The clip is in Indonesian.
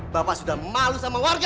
bapak sudah malu sama warga